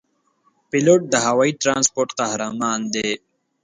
پیلوټ د هوايي ترانسپورت قهرمان دی.